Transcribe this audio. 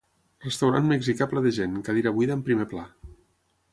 Restaurant mexicà ple de gent, cadira buida en primer pla